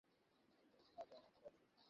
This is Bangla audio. আপ ভালো তো জগৎ ভালো।